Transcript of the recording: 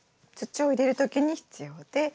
土を入れる時に必要で。